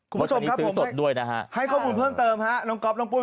คุณผู้ชมครับดูศพด้วยนะฮะให้ข้อมูลเพิ่มเติมฮะน้องก๊อฟน้องปุ้ย